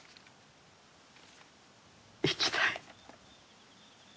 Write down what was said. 生きたい。